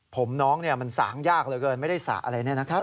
ผมน้องมันสางยากเหลือเกินไม่ได้สระอะไรเนี่ยนะครับ